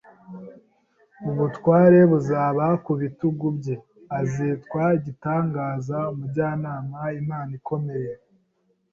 ubutware buzaba ku bitugu bye. Azitwa igitangaza, Umujyanama, Imana ikomeye,